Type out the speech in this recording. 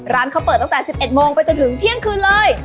ร้านเขาเปิดตั้งแต่๑๑โมงไปจนถึงเที่ยงคืนเลย